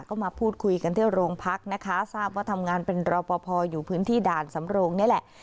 ก็มาพูดคุยกันที่โรงพักนะคะทราบว่าทำงานเป็นรอปภอยู่พื้นที่ด่านสำโรงนี่แหละ